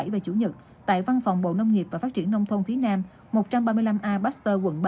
về sinh an toàn thực phẩm và thân thiện với môi trường